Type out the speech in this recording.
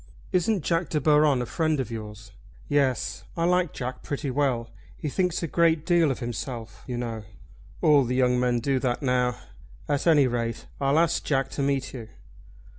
"Isn't Jack De Baron a friend of yours?" "Yes, I like Jack pretty well. He thinks a great deal of himself, you know." "All the young men do that now. At any rate I'll ask Jack to meet you."